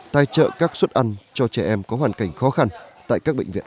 tài trợ các suất ăn cho trẻ em có hoàn cảnh khó khăn tại các bệnh viện